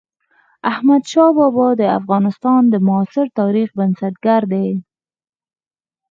احمد شاه بابا د افغانستان د معاصر تاريخ بنسټ ګر دئ.